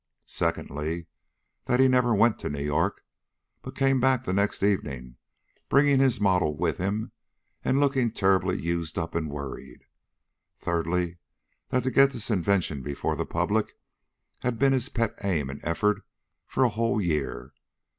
Secondly, that he never went to New York, but came back the next evening, bringing his model with him, and looking terribly used up and worried. Thirdly, that to get this invention before the public had been his pet aim and effort for a whole year.